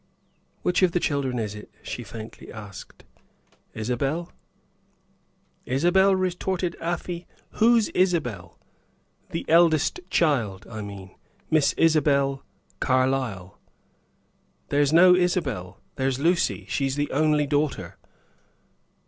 "Which of the children is it?" she faintly asked. "Isabel?" "Isabel!" retorted Afy. "Who's Isabel?" "The eldest child, I mean; Miss Isabel Carlyle." "There's no Isabel. There's Lucy. She's the only daughter."